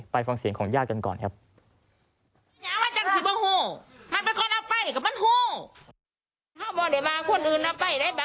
ฟังเสียงของญาติกันก่อนครับ